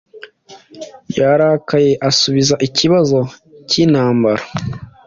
Yarakaye asubiza ikibazo cyintambara